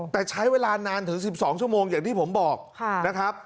แต่ใช้เวลานานถึง๑๒ชั่วโมงอย่างที่ผมบอกนะครับ